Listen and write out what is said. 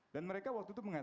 dan mereka waktu itu mengatakan